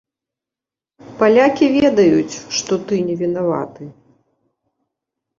Палякі ведаюць, што ты невінаваты.